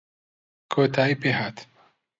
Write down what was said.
کۆتایی پێ هات